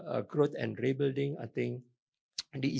yang sudah diberikan oleh imf dan bank dunia